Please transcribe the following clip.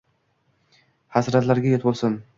Hasratlarga yot bo’lsin».